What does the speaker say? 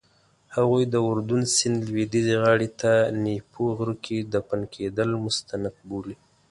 هغوی د اردن سیند لویدیځې غاړې ته نیپو غره کې دفن کېدل مستند بولي.